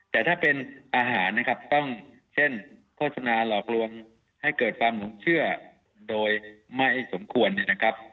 แต่ถ้าเป็นอาหารนะครับต้องเช่นโฆษณาหลอกลวงให้เกิดความหลงเชื่อโดยไม่สมควรเนี่ยนะครับ